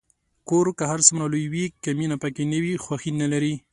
کور که هر څومره لوی وي، که مینه پکې نه وي، خوښي نلري.